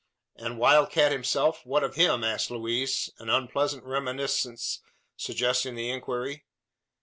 "And Wild Cat himself what of him?" asked Louise, an unpleasant reminiscence suggesting the inquiry.